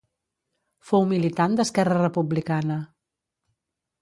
Fou militant d’Esquerra Republicana.